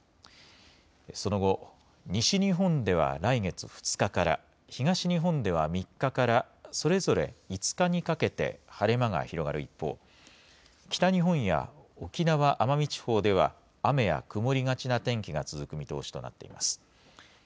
その後、西日本では来月２日から、東日本では３日から、それぞれ５日にかけて晴れ間が広がる一方、北日本や沖縄・奄美地方では、雨や曇りがちな天気が続く見通しとなっています。